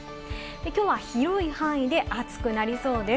きょうは広い範囲で暑くなりそうです。